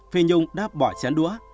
phi nhung đã bỏ chén đũa